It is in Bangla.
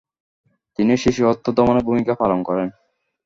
তিনি শিশুহত্যা দমনে ভূমিকা পালন করেন।